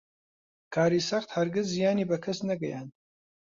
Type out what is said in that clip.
کاری سەخت هەرگیز زیانی بە کەس نەگەیاند.